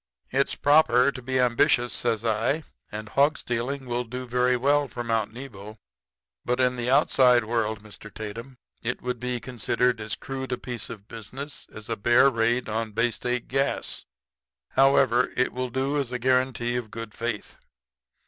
"'It's proper to be ambitious,' says I; 'and hog stealing will do very well for Mount Nebo; but in the outside world, Mr. Tatum, it would be considered as crude a piece of business as a bear raid on Bay State Gas. However, it will do as a guarantee of good faith.